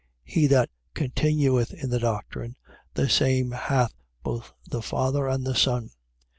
He that continueth in the doctrine, the same hath both the Father and the Son.